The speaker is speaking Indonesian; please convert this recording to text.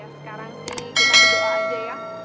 sekarang sih kita berdua aja ya